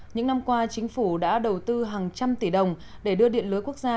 những năm qua chính phủ đã đầu tư hàng trăm tỷ đồng để đưa điện lưới quốc gia